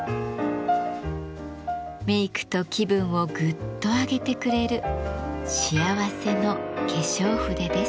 メイクと気分をグッと上げてくれる幸せの化粧筆です。